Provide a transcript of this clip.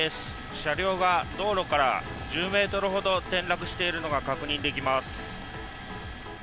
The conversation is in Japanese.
車両が道路から１０ｍほど転落しているのが確認できます。